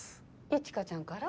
一華ちゃんから？